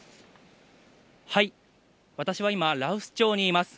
私は今、羅臼町にいます。